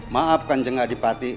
maafkan kanjeng adipati